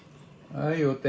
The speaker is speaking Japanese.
「はいお手」